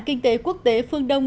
kinh tế quốc tế phương đông